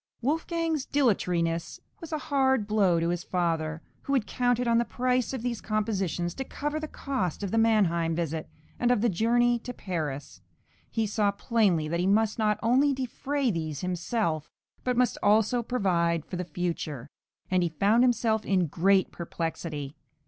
Wolfgang's dilatoriness was a hard blow to his father, who had counted on the price of these compositions to cover the cost of the Mannheim visit and of the journey to Paris. He saw plainly that he must not only defray these himself, but must also provide for the future, and he found himself in great perplexity.